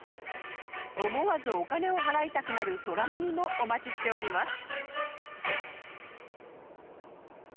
思わずお金を払いたくなる空耳もお待ちしております